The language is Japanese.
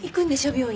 病院。